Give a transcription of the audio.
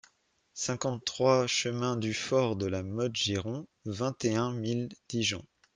cinquante-trois chemin du Fort de la Motte Giron, vingt et un mille Dijon